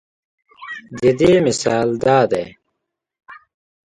د دې مثال دا دے